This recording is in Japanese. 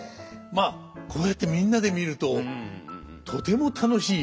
まあこうやってみんなで見るととても楽しい！